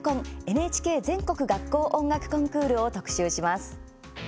ＮＨＫ全国学校音楽コンクールを特集します。